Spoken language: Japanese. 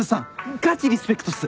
がちリスペクトっす。